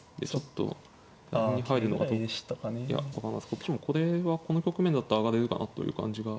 こっちもこれがこの局面だったら上がれるかなという感じが。